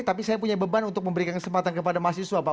tapi saya punya beban untuk memberikan kesempatan kepada mahasiswa pak